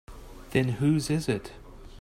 Then whose is it?